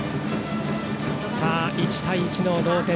１対１の同点。